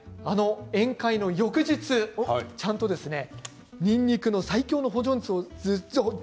宴会の翌日、ちゃんとにんにくの最強の保存術を。